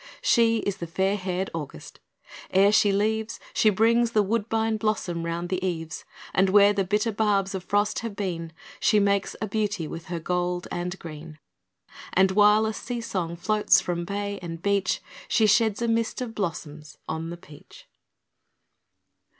She is the fair haired August. Ere she leaves She brings the woodbine blossom round the eaves; And where the bitter barbs of frost have been She makes a beauty with her gold and green; And, while a sea song floats from bay and beach, She sheds a mist of blossoms on the peach.